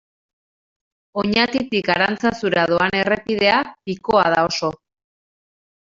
Oñatitik Arantzazura doan errepidea pikoa da oso.